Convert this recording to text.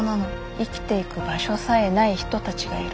生きていく場所さえない人たちがいる。